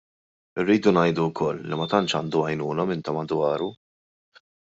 Irridu ngħidu wkoll li ma tantx għandu għajnuna minn ta' madwaru.